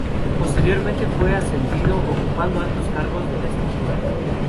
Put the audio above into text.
Posteriormente, fue ascendiendo, ocupando altos cargos de la estructura.